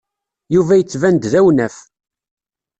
Yuba yettban-d d awnaf.